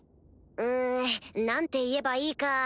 うん何て言えばいいか。